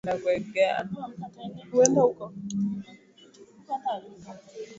na yanayotokea kanda ya Afrika Mashariki na Kati katika kila nyanja ya habari